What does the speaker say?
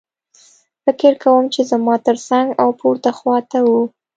فکر کوم چې زما ترڅنګ او پورته خوا ته وو